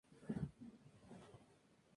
Es un pez de mar y demersal de clima tropical.